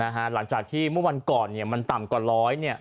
หลังจากที่เมื่อวานก่อนเนี่ยมันต่ำกว่า๑๐๐เนี่ย